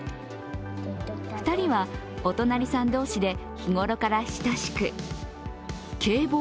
２人はお隣さん同士で日頃から親しくけい